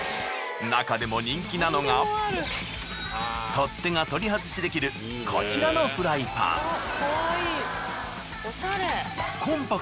中でも人気なのが取っ手が取り外しできるこちらのフライパン。